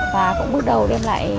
và cũng bước đầu đem lại